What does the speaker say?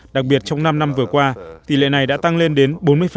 đặc biệt trong năm năm vừa qua tỷ lệ này đã tăng lên đến bốn mươi